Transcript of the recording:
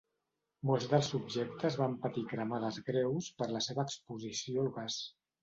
Molts dels subjectes van patir cremades greus per la seva exposició al gas.